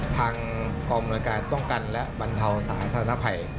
ทางกองอำนวยการป้องกันและบรรเทาสาธารณภัย